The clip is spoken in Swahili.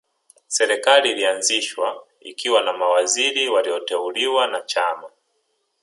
Serikali ilianzishwa ikiwa na mawaziri walioteuliwa na Chama